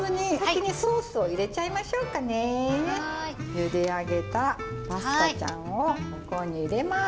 ゆで上げたパスタちゃんをここに入れます！